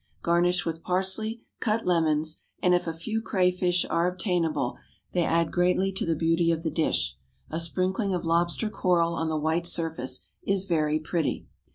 Garnish with parsley, cut lemons, and if a few crayfish are obtainable they add greatly to the beauty of the dish. A sprinkling of lobster coral on the white surface is very pretty.